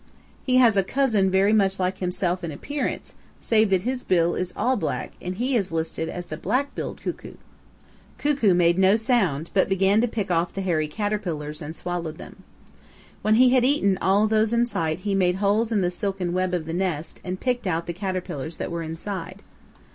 He has a cousin very much like himself in appearance, save that his bill is all black and he is listed the Black billed Cuckoo. Cuckoo made no sound but began to pick off the hairy caterpillars and swallow them. When he had eaten all those in sight he made holes in the silken web of the nest and picked out the caterpillars that were inside.